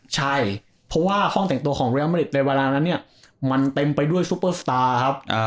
ใช่เพราะว่าห้องแต่งตัวของเรียลมาริดในเวลานั้นเนี่ยมันเต็มไปด้วยซุปเปอร์สตาร์ครับ